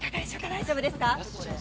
大丈夫ですか？